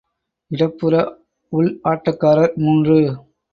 இடப்புற உள் ஆட்டக்காரர் மூன்று.